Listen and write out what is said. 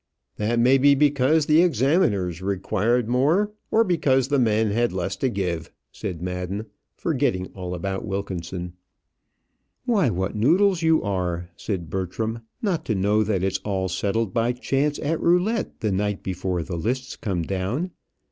"That may be because the examiners required more, or because the men had less to give," said Madden, forgetting all about Wilkinson. "Why, what noodles you are," said Bertram, "not to know that it's all settled by chance at roulette the night before the lists come down!